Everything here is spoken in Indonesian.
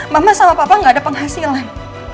mama sama papa gak ada penghasilan